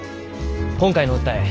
今回の訴え